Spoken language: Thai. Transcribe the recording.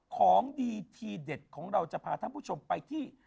ของดีทีเด็ดของเราจะพาท่านผู้ชมไปที่